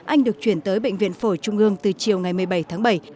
anh được chuyển tới bệnh viện phổi trung ương từ chiều ngày một mươi bảy tháng bảy